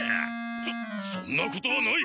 そそんなことはない！